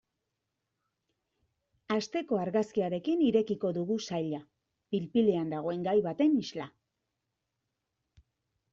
Asteko argazkiarekin irekiko dugu saila, pil-pilean dagoen gai baten isla.